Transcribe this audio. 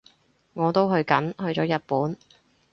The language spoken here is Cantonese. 我都去緊，去咗日本